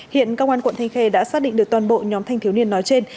hiện công an quận thanh khê đã xác định được toàn bộ nhóm thanh thiếu niên nói trên